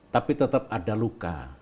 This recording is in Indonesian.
tapi tetap ada luka